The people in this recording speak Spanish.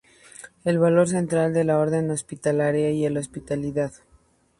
El valor central de la Orden Hospitalaria es la hospitalidad.